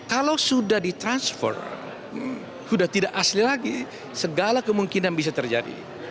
jadi kalau sudah di transfer sudah tidak asli lagi segala kemungkinan bisa terjadi